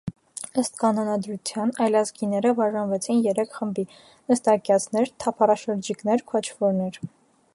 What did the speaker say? Ըստ կանոնադրության՝ «այլազգիները» բաժանվեցին երեք խմբի, «նստակյացներ», «թափառաշրջիկներ», «քոչվորներ»։